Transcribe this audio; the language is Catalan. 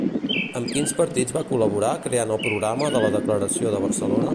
Amb quins partits va col·laborar creant el programa de la Declaració de Barcelona?